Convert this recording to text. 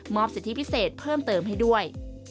สิทธิพิเศษเพิ่มเติมให้ด้วย